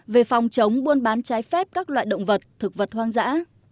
về phòng chống buôn bán trái phép các loại động vật thực vật hoang dã